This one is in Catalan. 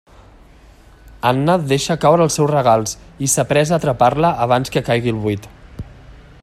Anna deixa caure els seus regals i s'apressa a atrapar-la abans que caigui al buit.